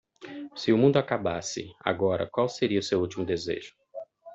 se o mundo acaba-se agora qual seria o seu ultimo desejo